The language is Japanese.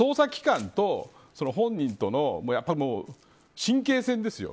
捜査機関と本人との神経戦ですよ。